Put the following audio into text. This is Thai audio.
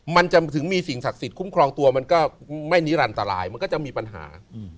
มันจะถึงมีสิ่งศักดิ์สิทธิคุ้มครองตัวมันก็ไม่นิรันตรายมันก็จะมีปัญหา